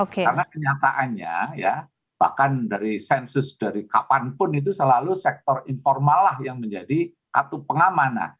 karena kenyataannya bahkan dari sensus dari kapanpun itu selalu sektor informal yang menjadi katu pengaman